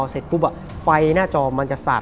เสร็จปุ๊บไฟหน้าจอมันจะสาด